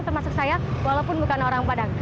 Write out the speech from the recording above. termasuk saya walaupun bukan orang padang